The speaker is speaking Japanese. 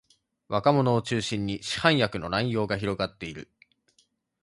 若者を中心に市販薬の乱用が広がっている